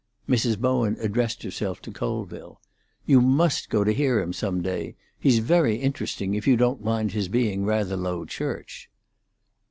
Mrs Bowen addressed herself to Colville. "You must go to hear him some day. He's very interesting, if you don't mind his being rather Low Church."